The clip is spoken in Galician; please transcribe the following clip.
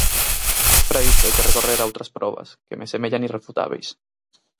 Para isto hai que recorrer a outras probas, que me semellan irrefutábeis.